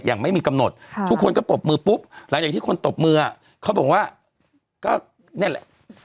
อย่างไม่มีกำหนดทุกคนก็ปรบมือปุ๊บหลังจากที่คนตบมือเขาบอกว่าก็นั่นแหละ